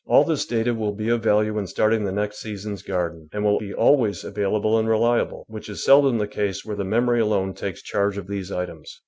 All this data will be of value in starting the next season's garden, and will be always available and reliable, which is seldom the case where the memory alone takes charge of these items.